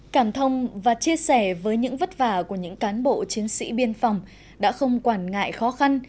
cảm thông và chia sẻ với những vất vả của những cán bộ chiến sĩ biên phòng đã không quản ngại khó khăn